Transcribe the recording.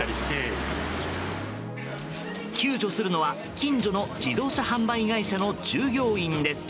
救助するのは近所の自動車販売会社の従業員です。